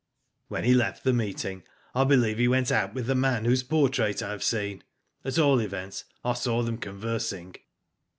''When he left the meeting I believe he went out with the man whose portrait I have seen. At all events I saw them conversing.